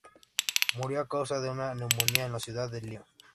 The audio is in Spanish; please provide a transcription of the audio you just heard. Murió a causa de una neumonía, en la ciudad de Lyon.